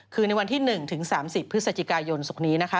คือในวันที่๑ถึง๓๐พฤศจิกายนศุกร์นี้นะคะ